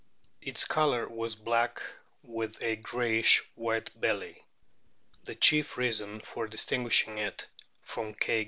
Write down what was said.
Its colour was black, with a greyish white belly. The chief reason for distinguishing it from K.